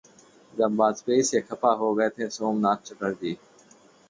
...जब वाजपेयी से खफा हो गए थे सोमनाथ चटर्जी